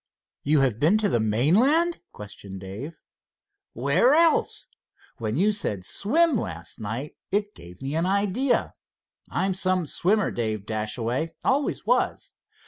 "You have been to the mainland?" questioned Dave. "Where else? When you said 'swim' last night, it gave me an idea. I'm some swimmer, Dave Dashaway. Always was.